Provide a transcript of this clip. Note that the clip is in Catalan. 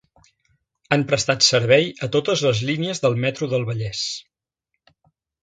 Han prestat servei a totes les línies del Metro del Vallès.